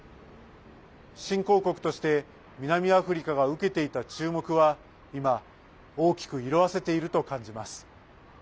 新興国として南アフリカが受けていた注目は今、大きく色あせていると感じます。